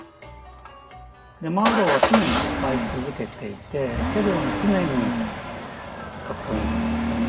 マーロウは常に失敗し続けていてけれども常にかっこいいんですよね